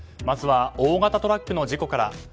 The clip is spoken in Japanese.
まずは大型トラックの事故から。